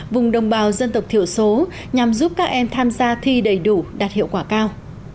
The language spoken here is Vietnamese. vùng đồng bào dân tộc thiểu số nhằm giúp các em tham gia thi đầy đủ đạt hiệu quả cao